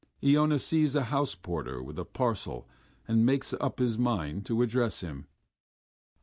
Iona sees a house porter with a parcel and makes up his mind to address him.